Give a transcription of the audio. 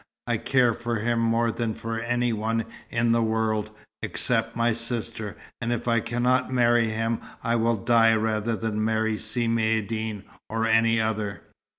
I care for him more than for any one in the world, except my sister; and if I cannot marry him, I will die rather than marry Si Maïeddine or any other."